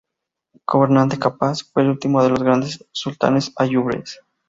Gobernante capaz, fue el último de los grandes sultanes ayubíes.